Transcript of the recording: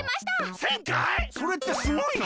それってすごいの？